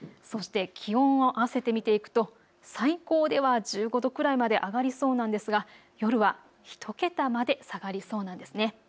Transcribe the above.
そして気温を合わせて見ていくと最高では１５度くらいまで上がりそうなんですが夜は１桁まで下がりそうなんです。